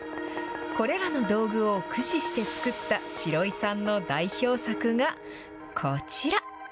これらの道具を駆使して作ったシロイさんの代表作がこちら。